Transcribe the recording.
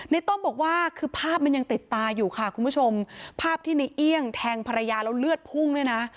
ต้มบอกว่าคือภาพมันยังติดตาอยู่ค่ะคุณผู้ชมภาพที่ในเอี่ยงแทงภรรยาแล้วเลือดพุ่งเนี่ยนะ